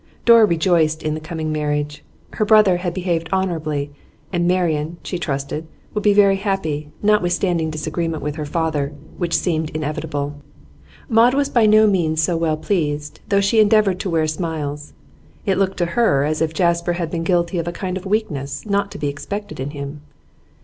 Dora rejoiced in the coming marriage; her brother had behaved honourably, and Marian, she trusted, would be very happy, notwithstanding disagreement with her father, which seemed inevitable. Maud was by no means so well pleased, though she endeavoured to wear smiles. It looked to her as if Jasper had been guilty of a kind of weakness not to be expected in him.